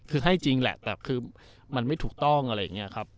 คือให้จริงแหละแต่คือมันไม่ถูกต้องอะไรอย่างนี้ครับ